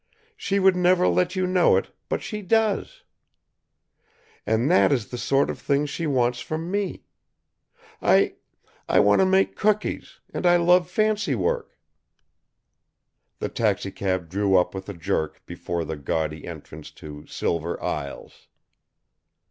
She would never let you know it, but she does. And that is the sort of thing she wants from me. I I want to make cookies, and I love fancywork." The taxicab drew up with a jerk before the gaudy entrance to Silver Aisles.